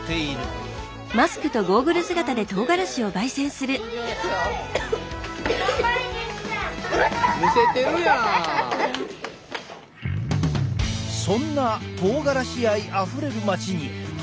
そんなとうがらし愛あふれる町に「トリセツ」が出張！